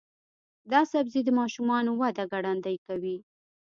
دا سبزی د ماشومانو وده ګړندۍ کوي.